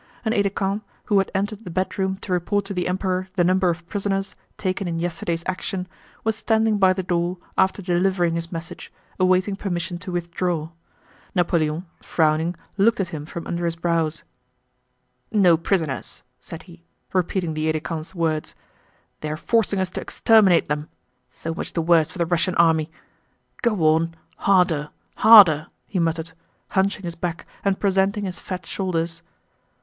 An aide de camp, who had entered the bedroom to report to the Emperor the number of prisoners taken in yesterday's action, was standing by the door after delivering his message, awaiting permission to withdraw. Napoleon, frowning, looked at him from under his brows. "No prisoners!" said he, repeating the aide de camp's words. "They are forcing us to exterminate them. So much the worse for the Russian army.... Go on... harder, harder!" he muttered, hunching his back and presenting his fat shoulders.